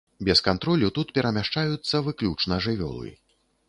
Без кантролю тут перамяшчаюцца выключна жывёлы.